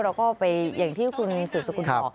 เราก็ไปอย่างที่คุณมีสูตรสุขุนของขอ